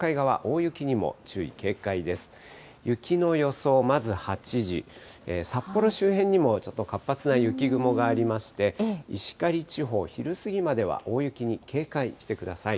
雪の予想、まず８時、札幌周辺にもちょっと活発な雪雲がありまして、石狩地方、昼過ぎまでは大雪に警戒してください。